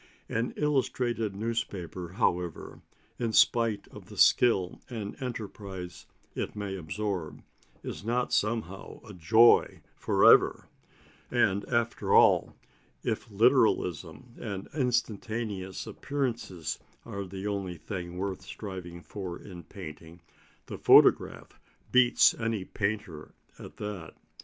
An illustrated newspaper, however, in spite of the skill and enterprise it may absorb, is not somehow a joy for ever; and, after all, if literalism and instantaneous appearances are the only things worth striving for in painting, the photograph beats any painter at that.